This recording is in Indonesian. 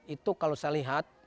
itu kalau saya lihat